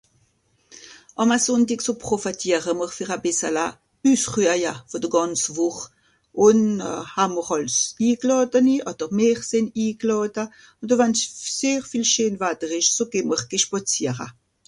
Àm a Sùnndig, so profetiera m'r fer a bìssala üsrüahja vù de gànz Wùch. Ùn euh... haa mr àls iglàda ni odder mìr sìnn iglàda. Ùn do, wann sehr viel scheen Watter ìsch so geh mr ge spàziara.